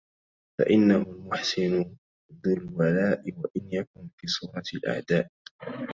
فإنه المُحسنُ ذو الولاءِ وإن يكن في صورة الأعداءِ